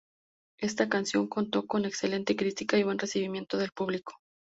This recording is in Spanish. Esta canción contó con excelente critica y buen recibimiento del público.